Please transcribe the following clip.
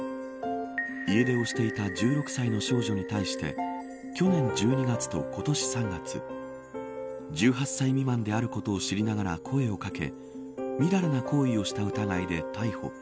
家出をしていた１６歳の少女に対して去年１２月と今年３月１８歳未満であることを知りながら声を掛けみだらな行為をした疑いで逮捕。